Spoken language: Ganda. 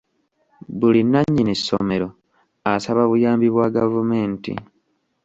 Buli nannyini ssomero asaba buyambi bwa gavumenti.